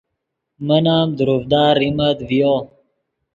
من ام دروڤدا ریمت ڤیو